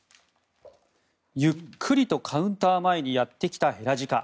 ゆっくりとカウンター前にやってきたヘラジカ。